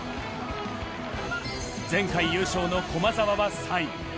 前回優勝の駒澤は３位。